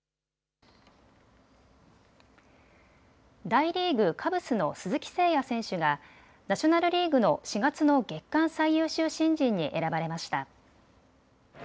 大リーグ、カブスの鈴木誠也選手がナショナルリーグの４月の月間最優秀新人に選ばれました。